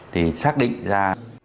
thì xác định ra